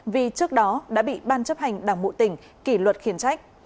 vì trước đó đã bị ban chấp hành đảng bộ tỉnh kỷ luật khiến trách